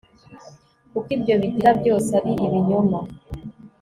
kuko ibyo bigira byose ari ibinyoma